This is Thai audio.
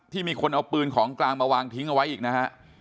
มีคนเอาปืนของกลางมาวางทิ้งเอาไว้อีกนะฮะ